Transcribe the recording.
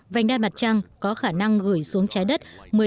vành đai mặt trăng có khả năng gửi xuống trái đất